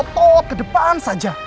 ketop ke depan saja